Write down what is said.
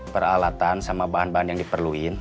peralatan sama bahan bahan yang diperlukan